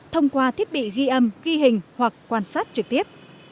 thông qua thiết bị ghi âm ghi hình hoặc quan sát trực tiếp